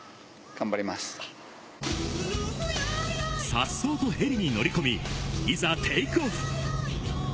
さっそうとヘリに乗り込み、いざテイクオフ。